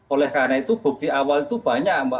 oleh karena itu bukti awal itu banyak mbak